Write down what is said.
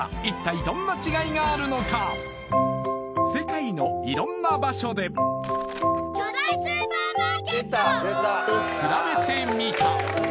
世界の色んな場所でをくらべてみた